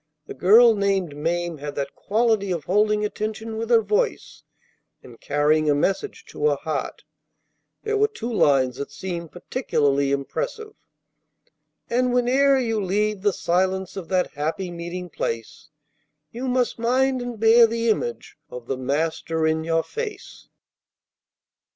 The girl named Mame had that quality of holding attention with her voice and carrying a message to a heart. There were two lines that seemed particularly impressive, "And whene'er you leave the silence of that happy meeting place, You must mind and bear the image of the Master in your face."